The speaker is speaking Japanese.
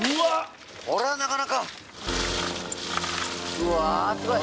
うわすごい！